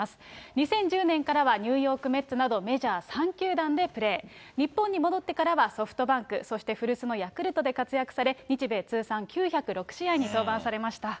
２０１０年からは、ニューヨーク・メッツなどメジャー３球団でプレー、日本に戻ってからはソフトバンク、そして古巣のヤクルトで活躍され、日米通算９０６試合に登板されました。